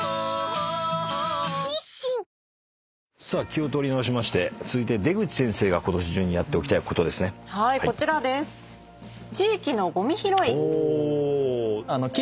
気を取り直しまして続いて出口先生がことし中にやっておきたいことですね。